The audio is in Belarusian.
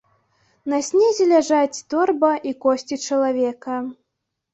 На снезе ляжаць торба і косці чалавека.